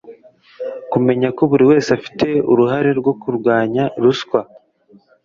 kumenya ko buri wese afite uruhare mu kurwanya ruswa